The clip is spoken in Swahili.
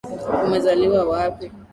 Umezaliwa wapi?